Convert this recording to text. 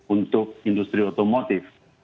untuk industri otomotif